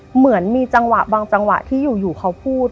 เหมือนมีจังหวะบางจังหวะที่อยู่เขาพูด